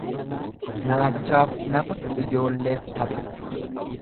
Raachaaf nafa, ijoolleef tapha.